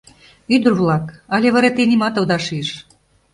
Ӱдыр-влак, але вара те нимат ода шиж?